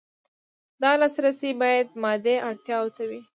دا لاسرسی باید مادي اړتیاوو ته وي.